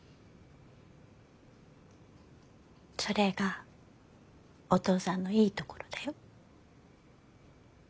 それがお父さんのいいところだよ。